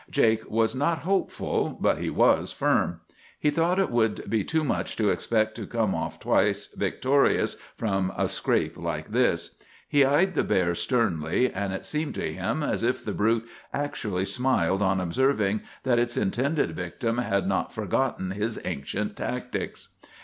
"Jake was not hopeful, but he was firm. He thought it would be too much to expect to come off twice victorious from a scrape like this. He eyed the bear sternly, and it seemed to him as if the brute actually smiled on observing that its intended victim had not forgotten his ancient tactics.